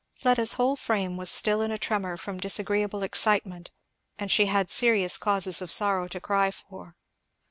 Fleda's whole frame was still in a tremor from disagreeable excitement; and she had serious causes of sorrow to cry for.